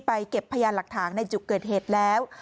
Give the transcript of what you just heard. เก็บพยานหลักฐานในจุดเกิดเหตุแล้ว